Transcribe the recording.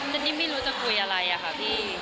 อันนี้ไม่รู้จะคุยอะไรอะค่ะพี่